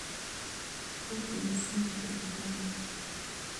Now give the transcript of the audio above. خوب د انسان لپاره اړین دی.